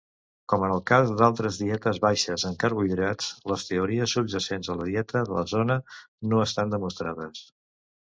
Com en el cas d"altres dietes baixes en carbohidrats, les teories subjacents a la dieta de la Zona no estan demostrades.